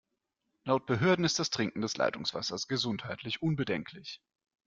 Laut Behörden ist das Trinken des Leitungswassers gesundheitlich unbedenklich.